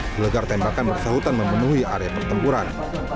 gelegar tembakan bersahutan memenuhi area pertempuran